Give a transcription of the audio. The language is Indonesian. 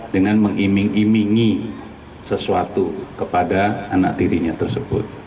dengan mengiming imingi sesuatu kepada anak tirinya tersebut